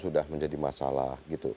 sudah menjadi masalah gitu